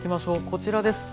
こちらです。